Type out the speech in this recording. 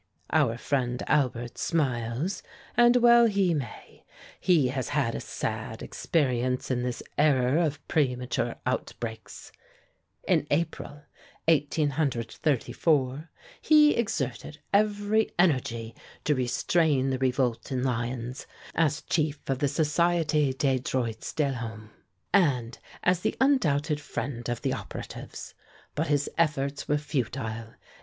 "Our friend Albert smiles, and well he may. He has had a sad experience in this error of premature outbreaks. In April, 1834, he exerted every energy to restrain the revolt in Lyons, as chief of the Société des Droits de l'Homme, and as the undoubted friend of the operatives. But his efforts were futile.